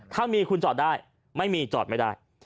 ถ้ามีคุณจอดได้ไม่มีจอดไม่ได้